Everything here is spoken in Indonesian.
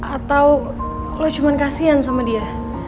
atau lo cuma kasihan sama dia